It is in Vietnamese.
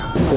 cũng lệ phí